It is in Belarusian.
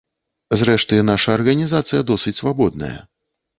Зрэшты, наша арганізацыя досыць свабодная.